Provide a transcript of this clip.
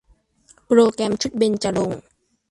โปรแกรมชุดเบญจรงค์